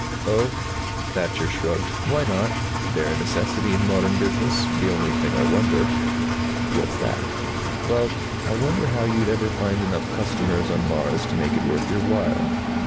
"Oh " Thacher shrugged. "Why not? They're a necessity in modern business. The only thing I wonder " "What's that?" "Well, I wonder how you'd ever find enough customers on Mars to make it worth your while."